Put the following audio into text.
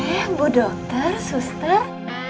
ehh bu dokter suster